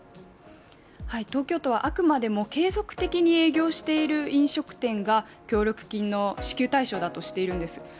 東京都はあくまでも、継続的に営業している飲食店が協力金の支給対象だとしているんです。